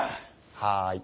はい。